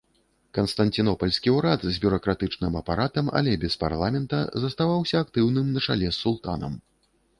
Канстанцінопальскі ўрад, з бюракратычным апаратам, але без парламента, заставаўся актыўным на чале з султанам.